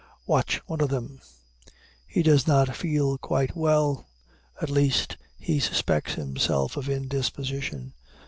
Watch one of them. He does not feel quite well, at least, he suspects himself of indisposition.